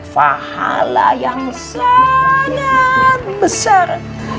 fahala yang sangat besar